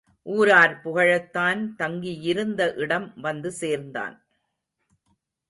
ஊரார் புகழத்தான் தங்கியிருந்த இடம் வந்து சேர்ந்தான்.